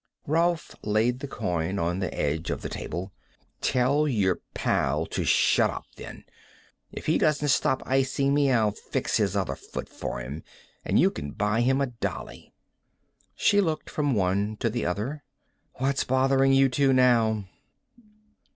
Rolf laid the coin on the edge of the table. "Tell your pal to shut up, then. If he doesn't stop icing me I'll fix his other foot for him and you can buy him a dolly." She looked from one to the other. "What's bothering you two now?"